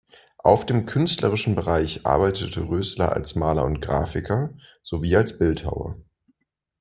Auf dem künstlerischen Bereich arbeitete Rösler als Maler und Grafiker, sowie als Bildhauer.